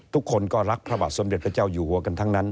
ทุกคนก็รักพระบาทสมเด็จพระเจ้าอยู่หัวกันทั้งนั้น